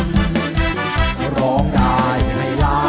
สวัสดีค่ะ